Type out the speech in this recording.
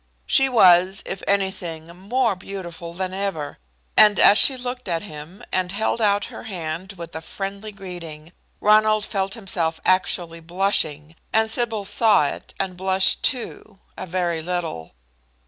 She was, if anything, more beautiful than ever, and as she looked at him, and held out her hand with a friendly greeting, Ronald felt himself actually blushing, and Sybil saw it and blushed too, a very little.